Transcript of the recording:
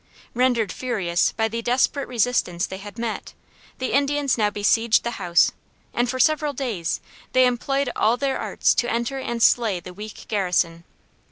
Rendered furious by the desperate resistance they had met, the Indians now besieged the house, and for several days they employed all their arts to enter and slay the weak garrison.